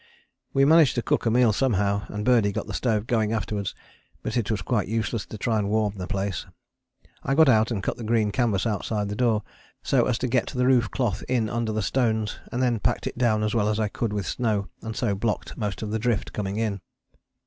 We managed to cook a meal somehow, and Birdie got the stove going afterwards, but it was quite useless to try and warm the place. I got out and cut the green canvas outside the door, so as to get the roof cloth in under the stones, and then packed it down as well as I could with snow, and so blocked most of the drift coming in.